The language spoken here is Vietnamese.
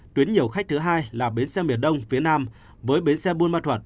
tuyến nhiều khách thứ hai là bến xe miền đông phía nam với bến xe bôn ma thuật